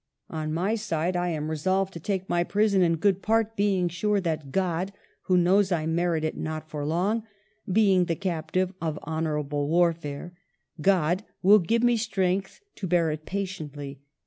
On my side I am resolved to take my prison in good part, being sure that God, — who knows I merit it not for long, being the captive of honorable warfare, — God will give me strength to bear it patiently.